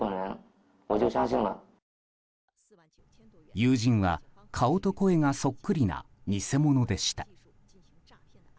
友人は顔と声がそっくりな偽物でした。